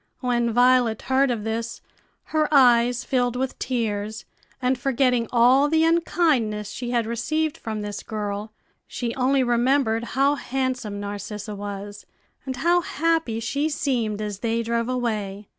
When Violet heard of this her eyes filled with tears, and forgetting all the unkindness she had received from this girl, she only remembered how handsome Narcissa was, and how happy she seemed as they drove away.